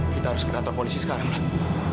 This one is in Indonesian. kita harus ke kantor polisi sekarang mas